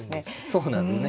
そうなんですね